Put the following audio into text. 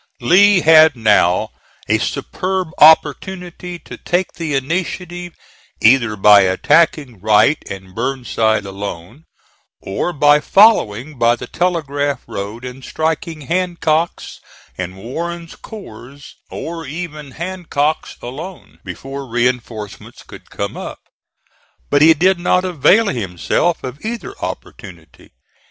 Lee had now a superb opportunity to take the initiative either by attacking Wright and Burnside alone, or by following by the Telegraph Road and striking Hancock's and Warren's corps, or even Hancock's alone, before reinforcements could come up. But he did not avail himself of either opportunity.